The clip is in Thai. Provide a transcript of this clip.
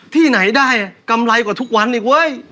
ภาพได้จริง